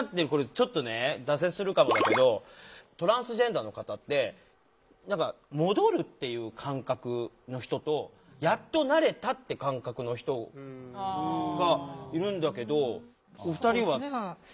ちょっと脱線するかもだけどトランスジェンダーの方って何か戻るっていう感覚の人とやっとなれたって感覚の人がいるんだけどお二人は。